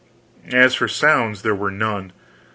As for sounds, there were none.